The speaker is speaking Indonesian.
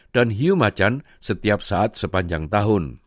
dan hiu macan setiap saat sepanjang tahun